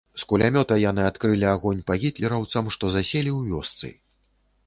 З кулямёта яны адкрылі агонь па гітлераўцам, што заселі ў вёсцы.